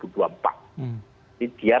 dua ribu dua puluh empat jadi dia